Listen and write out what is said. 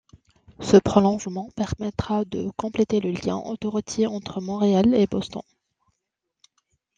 Ce prolongement permettra de compléter le lien autoroutier entre Montréal et Boston.